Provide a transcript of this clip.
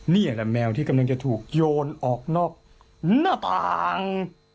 นี่แหละแมวที่กำลังจะถูกโยนออกนอกหน้าผาง